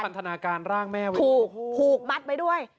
ทนาการร่างแม่ไว้ถูกผูกมัดไว้ด้วย